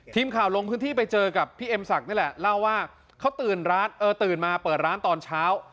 ทีมข่าวลงพื้นที่ไปเจอกับพี่เอ็มศักดิ์นี่แหละเล่าว่าเขาตื่นร้านเออตื่นมาเปิดร้านตอนเช้า